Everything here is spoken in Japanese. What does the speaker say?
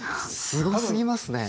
すごすぎますね。